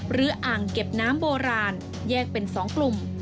อ่างเก็บน้ำโบราณแยกเป็น๒กลุ่ม